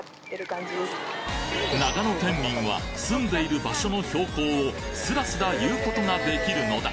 長野県民は住んでいる場所の標高をスラスラ言うことができるのだ